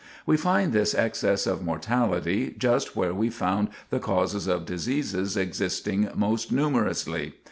We find this excess of mortality just where we found the causes of diseases existing most numerously.